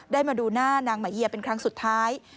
มาดูหน้านางมะเยียเป็นครั้งสุดท้าย